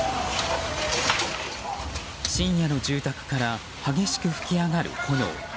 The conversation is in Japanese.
深夜の住宅から激しく噴き上がる炎。